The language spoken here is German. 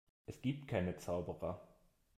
Es gibt keine Zauberer.